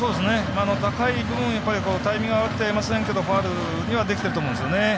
高い分タイミングが合いませんけどファウルにはできてると思うんですよね。